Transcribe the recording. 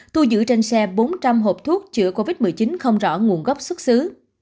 thu giữ trên xe bốn trăm linh hộp thuốc chữa covid một mươi chín không rõ nguồn gốc xuất xứ